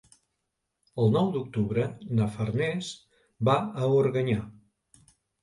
El nou d'octubre na Farners va a Organyà.